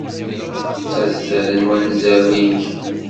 Ttazzalen wanzaren-innek.